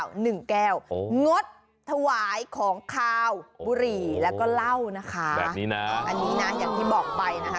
แบบนี้นะอันนี้นะอย่างที่บอกไปนะฮะ